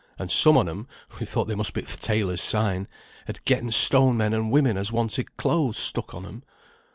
And some on 'em (we thought they must be th' tailor's sign) had getten stone men and women as wanted clothes stuck on 'em.